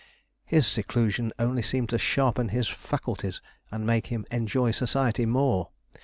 His seclusion only seemed to sharpen his faculties and make him enjoy society more.